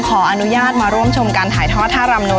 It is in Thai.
ขออนุญาตมาชมการถ่ายทอดท่ารัม๓๑